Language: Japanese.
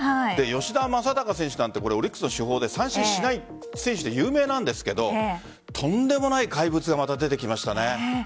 吉田正尚選手なんてオリックスの主砲で三振しない選手で有名なんですけどとんでもない怪物が出てきましたね。